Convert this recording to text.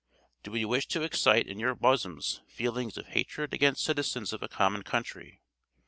Do we wish to excite in your bosoms feelings of hatred against citizens of a common country?